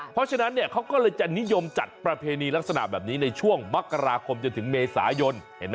เพราะฉะนั้นเขาก็เลยจะนิยมจัดประเพณีลักษณะแบบนี้ในช่วงมกราคมจนถึงเมษายน